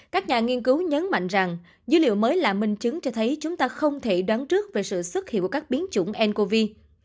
các nhà nghiên cứu nhấn mạnh rằng dữ liệu mới là minh chứng cho thấy chúng ta không thể đoán trước về sự xuất hiện của các biến chủng ncov